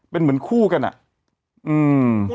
เป็นเหมือนคู่กันอ่ะอืม